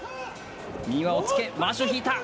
右は押っつけ、まわしを引いた。